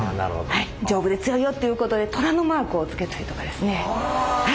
はい丈夫で強いよっていうことで虎のマークをつけたりとかですね，あ！